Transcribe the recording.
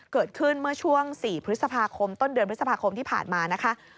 เกิดขึ้นเมื่อช่วง๔พฤษภาคมต้นเดือนพฤษภาคมที่ผ่านมานะคะ